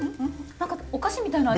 何かお菓子みたいな味。